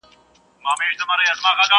او بخښنه مي له خدایه څخه غواړم!!..